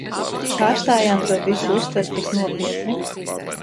Pārstājam to visu uztvert tik nopietni.